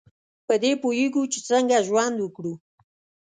په دې پوهیږو چې څنګه ژوند وکړو.